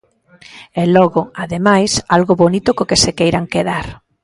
E logo, ademais, algo bonito co que se queiran quedar.